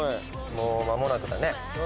もう間もなくだね。